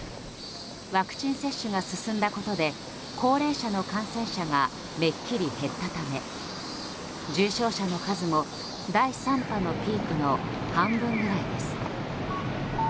ワクチン接種が進んだことで高齢者の感染者がめっきり減ったため重症者の数も第３波のピークの半分ぐらいです。